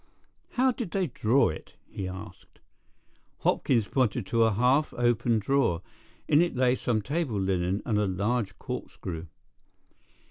"How did they draw it?" he asked. Hopkins pointed to a half opened drawer. In it lay some table linen and a large corkscrew.